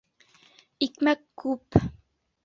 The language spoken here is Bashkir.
Икмәк күп.